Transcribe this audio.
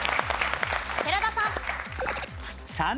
寺田さん。